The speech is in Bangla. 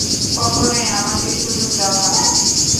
কখনোই আমাকে সুযোগ দাও না তুমি।